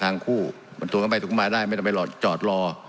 ทางคู่มันสู่กันไปสู่กันมาได้ไม่ต้องไปหลอดจอดรอ